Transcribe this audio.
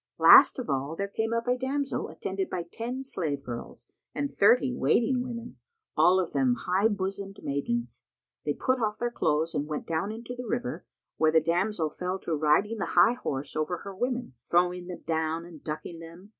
Last of all, there came up a damsel, attended by ten slave girls and thirty waiting women, all of them high bosomed maidens. They put off their clothes and went down into the river, where the damsel fell to riding the high horse over her women, throwing them down and ducking them.